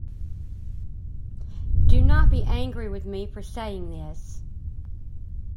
Do not be angry with me for saying this.